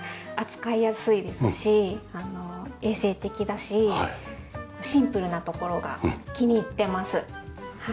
扱いやすいですし衛生的だしシンプルなところが気に入ってます。